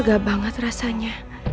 agak banget rasanya